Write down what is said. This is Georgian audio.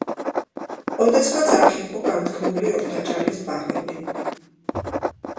ოდესღაც აქ იყო განთქმული ორთაჭალის ბაღები.